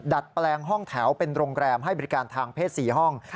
ดัดแปลงห้องแถวเป็นโรงแรมให้บริการทางเพศ๔ห้อง